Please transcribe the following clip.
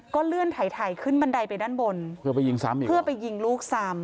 ก็เลื่อนไถ่ไถ่ขึ้นบันไดไปด้านบนเพื่อไปยิงลูกซ้ำ